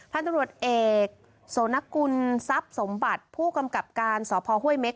พันธุ์ตำรวจเอกโสนกุลทรัพย์สมบัติผู้กำกับการสพห้วยเม็ก